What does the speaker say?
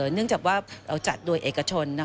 เนื่องจากว่าเราจัดด้วยเอกชนนะคะ